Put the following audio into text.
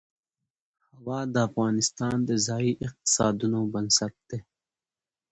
هوا د افغانستان د ځایي اقتصادونو بنسټ دی.